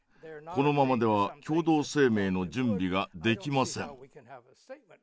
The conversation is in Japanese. このままでは共同声明の準備ができません」。